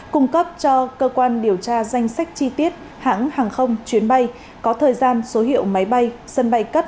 cung cấp cho cơ quan điều tra danh sách chi tiết hãng hàng không chuyến bay có thời gian số hiệu máy bay